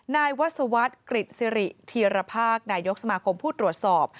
นายวัศวรรษกฤษศิริธีรภาคนายกสมาคมผู้ตรวจสอบ